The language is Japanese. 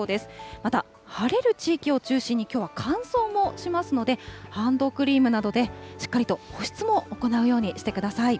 また、晴れる地域を中心に、きょうは乾燥もしますので、ハンドクリームなどでしっかりと保湿も行うようにしてください。